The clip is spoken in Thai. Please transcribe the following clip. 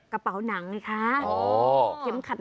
เมนูที่สุดยอด